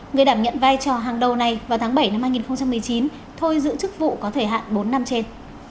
người đảm nhận vai trò hàng đầu này vào tháng bảy năm hai nghìn một mươi chín thôi giữ chức vụ có thời hạn bốn năm trên